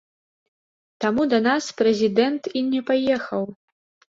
Таму да нас прэзідэнт і не паехаў!